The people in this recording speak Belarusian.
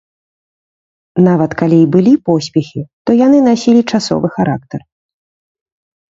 Нават калі і былі поспехі, то яны насілі часовы характар.